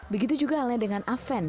begitu juga halnya dengan aven